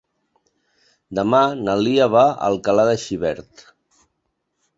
Demà na Lia va a Alcalà de Xivert.